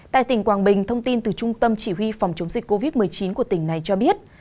tại tỉnh quảng bình thông tin từ trung tâm chỉ huy phòng chống dịch covid một mươi chín của tỉnh này cho biết